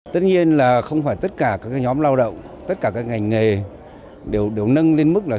tất nhiên là không phải tất cả các nhóm lao động tất cả các ngành nghề đều nâng lên mức là